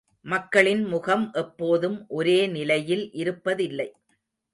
மக்களின் முகம் எப்போதும் ஒரே நிலையில் இருப்பதில்லை.